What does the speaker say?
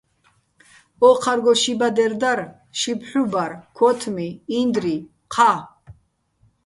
ო́ჴარგო ში ბადერ დარ, ში ფჰ̦უ ბარ, ქო́თმი, ინდრი, ჴა.